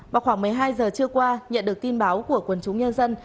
vào khoảng một mươi hai giờ trưa qua nhận được tin báo của quần chúng nhân dân